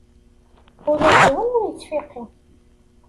Ula d yiwen ur yettfiqi.